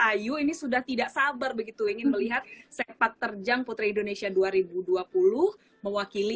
ayu ini sudah tidak sabar begitu ingin melihat sepak terjang putri indonesia dua ribu dua puluh mewakili